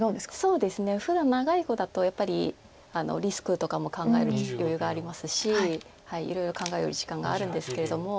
そうですね。ふだんの長い碁だとやっぱりリスクとかも考える余裕がありますしいろいろ考える時間があるんですけれども。